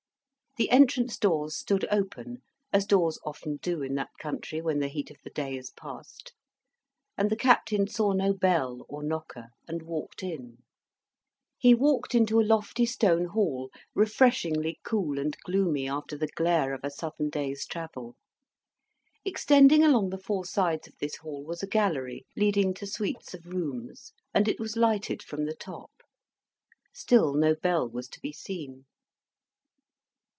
The entrance doors stood open, as doors often do in that country when the heat of the day is past; and the Captain saw no bell or knocker, and walked in. He walked into a lofty stone hall, refreshingly cool and gloomy after the glare of a Southern day's travel. Extending along the four sides of this hall was a gallery, leading to suites of rooms; and it was lighted from the top. Still no bell was to be seen.